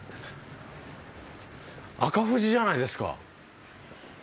赤富士じゃないですか。